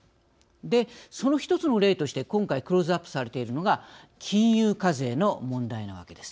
でその一つの例として今回クローズアップされているのが金融課税の問題なわけです。